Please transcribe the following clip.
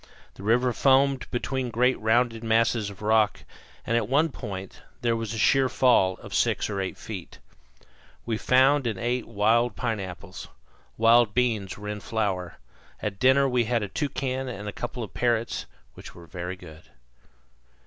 The river foamed between great rounded masses of rock, and at one point there was a sheer fall of six or eight feet. We found and ate wild pineapples. Wild beans were in flower. At dinner we had a toucan and a couple of parrots, which were very good.